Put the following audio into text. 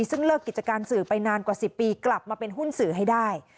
ซึ่งเลิกกิจการสื่อไปนานกว่า๑๐ปีกลับมาเป็นหุ้นสื่อให้ได้